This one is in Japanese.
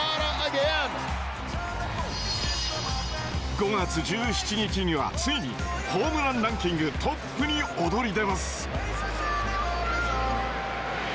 ５月１７日にはついにホームランランキングトップに躍り出ます。